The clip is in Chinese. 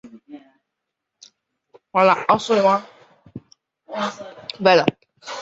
随后该集中营被关闭。